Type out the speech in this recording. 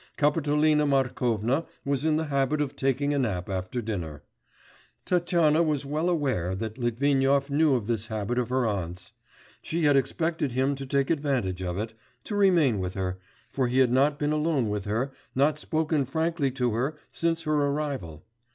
Kapitolina Markovna was in the habit of taking a nap after dinner; Tatyana was well aware that Litvinov knew of this habit of her aunt's; she had expected him to take advantage of it, to remain with her, for he had not been alone with her, nor spoken frankly to her, since her arrival.